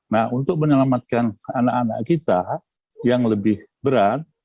nah untuk menyelamatkan anak anak kita yang lebih berat